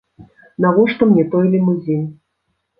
Навошта мне той лімузін?